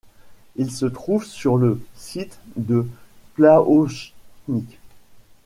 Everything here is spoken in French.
Il se trouve sur le site de Plaochnik.